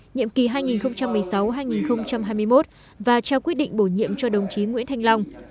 nhiệm kỳ hai nghìn một mươi sáu hai nghìn hai mươi một và trao quyết định bổ nhiệm cho đồng chí nguyễn thanh long